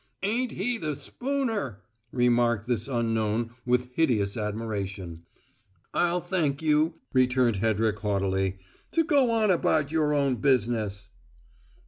"Ain't he the spooner!" remarked this unknown with hideous admiration. "I'll thank you," returned Hedrick haughtily, "to go on about your own business."